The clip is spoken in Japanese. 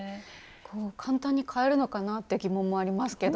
簡単に買えるのかなって疑問もありますけど。